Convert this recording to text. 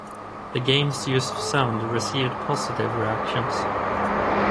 The game's use of sound received positive reactions.